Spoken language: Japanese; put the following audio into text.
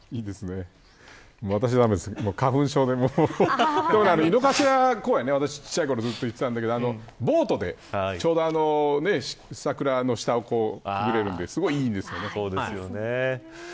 私は花粉症でもう井の頭公園、私小さいころ行ってたんだけどボートで、ちょうど桜の下を見れるんですごい、いいですけど。